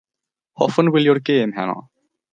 Hoffwn wylio'r gêm heno.